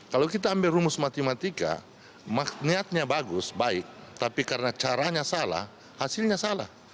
kalau kita ambil rumus matematika niatnya bagus baik tapi karena caranya salah hasilnya salah